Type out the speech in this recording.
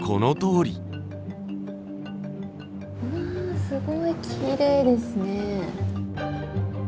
うわすごいきれいですね。